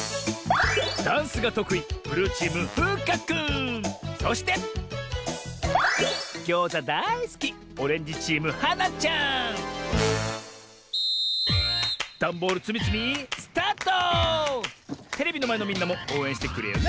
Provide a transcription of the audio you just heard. ダンスがとくいそしてギョーザだいすきダンボールつみつみテレビのまえのみんなもおうえんしてくれよな！